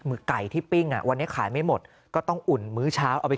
ไก่ที่ปิ้งอ่ะวันนี้ขายไม่หมดก็ต้องอุ่นมื้อเช้าเอาไป